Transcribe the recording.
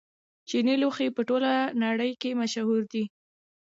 چیني لوښي په ټوله نړۍ کې مشهور دي.